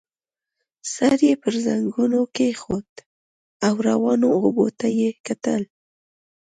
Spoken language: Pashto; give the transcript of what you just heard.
سر يې پر زنګنو کېښود او روانو اوبو ته يې کتل.